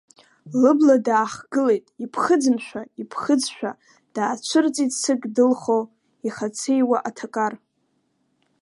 Лыбла даахгылеит, иԥхыӡымшәа, иԥхыӡшәа, даацәырҵит сык дылхо, ихацеиуа аҭакар.